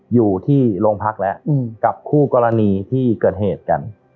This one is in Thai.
อยู่ที่โรงพักแล้วกับคู่กรณีที่เกิดเหตุกัน